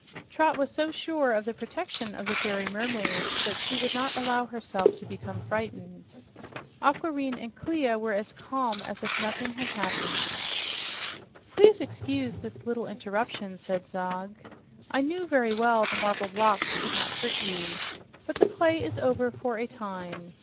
Trot was so sure of the protection of the fairy mermaids that she would not allow herself to become frightened. Aquareine and Clia were as calm as if nothing had happened. "Please excuse this little interruption," said Zog. "I knew very well the marble blocks would not hurt you. But the play is over for a time.